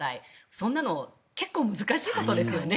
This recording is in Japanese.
そんなの結構難しいことですよね。